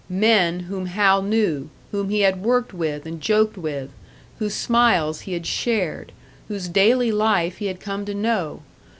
Men whom Hal knew, whom he had worked with and joked with, whose smiles he had shared; whose daily life he had come to know!